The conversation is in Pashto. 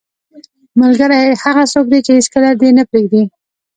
ملګری هغه څوک دی چې هیڅکله دې نه پرېږدي.